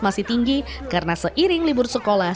masih tinggi karena seiring libur sekolah